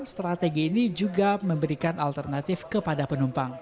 strategi ini juga memberikan alternatif kepada penumpang